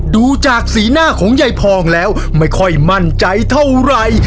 ดูจากสีหน้าของยายพองแล้วไม่ค่อยมั่นใจเท่าไหร่